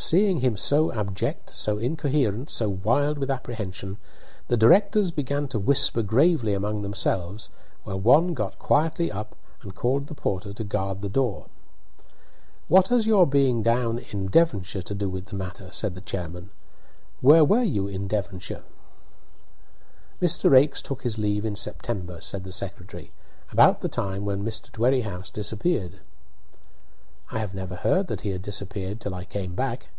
Seeing him so abject, so incoherent, so wild with apprehension, the directors began to whisper gravely among themselves, while one got quietly up and called the porter to guard the door. "What has your being in Devonshire to do with the matter?" said the chairman. "When were you in Devonshire?" "Mr. Raikes took his leave in September," said the secretary, "about the time when Mr. Dwerrihouse disappeared." "I never even heard that he had disappeared till I came back!"